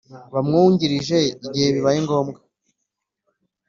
bamwungirije igihe bibaye ngombwa